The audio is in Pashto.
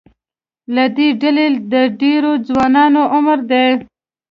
له دې ډلې د ډېرو ځوانانو عمر د